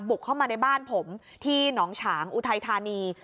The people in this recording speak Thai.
เข้ามาในบ้านผมที่หนองฉางอุทัยธานี